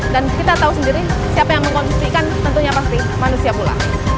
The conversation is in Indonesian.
dan kita tahu sendiri siapa yang mengonsumsi ikan tentunya pasti manusia pula